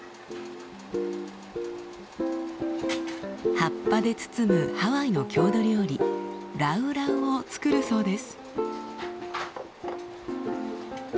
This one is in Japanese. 葉っぱで包むハワイの郷土料理ラウラウを作るそうです。